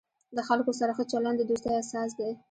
د خلکو سره ښه چلند، د دوستۍ اساس دی.